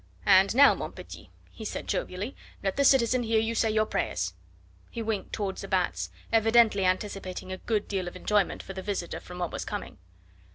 "And now, mon petit," he said jovially, "let the citizen hear you say your prayers!" He winked toward de Batz, evidently anticipating a good deal of enjoyment for the visitor from what was coming.